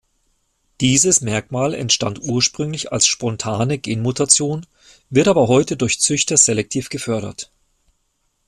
Dieses Merkmal entstand ursprünglich als spontane Genmutation, wird aber heute durch Züchter selektiv gefördert.